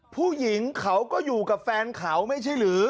ผู้หญิงเขาก็อยู่กับแฟนเขาไม่ใช่หรือ